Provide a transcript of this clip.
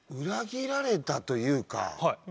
裏切られたというか。